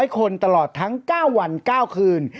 ๐คนตลอดทั้ง๙วัน๙คืน